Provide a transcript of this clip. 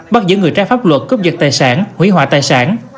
bắt giữ người trai pháp luật cướp vật tài sản hủy hỏa tài sản